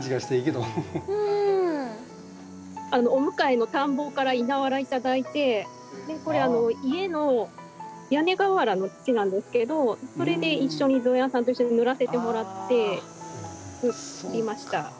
お向かいの田んぼから稲わら頂いてこれ家の屋根瓦の土なんですけどそれで一緒に一緒に塗らせてもらって作りました。